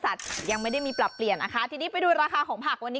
ยังไม่ได้มีปรับเปลี่ยนนะคะทีนี้ไปดูราคาของผักวันนี้